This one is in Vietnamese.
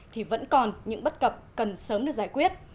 thì vẫn còn những bất cập cần sớm được giải quyết